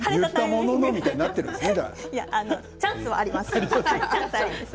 いやいや、チャンスはあります。